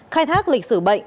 khai thác lịch sử bệnh